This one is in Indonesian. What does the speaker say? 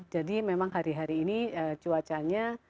jadi memang hari hari ini cuacanya